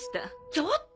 ちょっと！